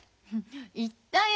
言ったよ。